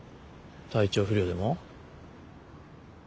体調不良でも？